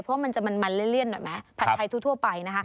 เพราะมันจะมันเลี่ยนหน่อยไหม